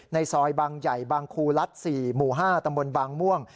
ในซอยบางใหญ่บางครูรัฐ๔หมู่๕ตำบลบางม่วง